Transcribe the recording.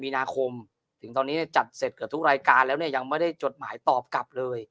มีนาคมถึงตอนนี้ในจัดเสร็จกับทุกรายการแล้วมันยังไม่ได้จดหมายตอบกลับ